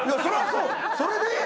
それでいいのよ。